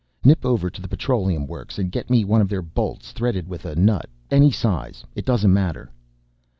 "Nip over to the petroleum works and get me one of their bolts threaded with a nut, any size, it doesn't matter."